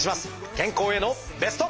健康へのベスト。